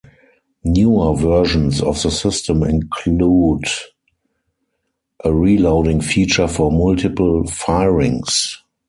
Newer versions of the system include a reloading feature for multiple firings.